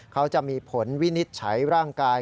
เขาจะมีผลวินิจฉัยร่างกาย